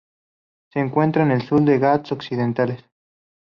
Se encuentra en el sur de las Ghats occidentales.